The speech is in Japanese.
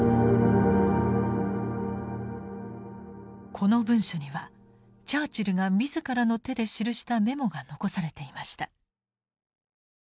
この文書にはチャーチルが自らの手で記したメモが残されていました。